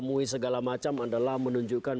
mui segala macam adalah menunjukkan